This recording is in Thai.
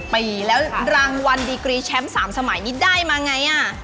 ปีแล้วรางวัลดีกรีแชมป์๓สมัยนี้ได้มาไง